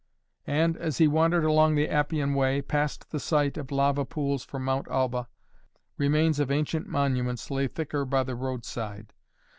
And, as he wandered along the Appian Way, past the site of lava pools from Mount Alba, remains of ancient monuments lay thicker by the roadside.